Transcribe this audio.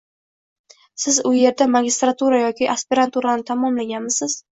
Siz u yerda magistratura yoki aspiranturani tamomlaganmisiz?